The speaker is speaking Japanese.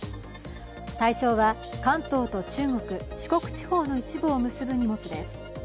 対象は関東と中国・四国地方の一部を結ぶ荷物です。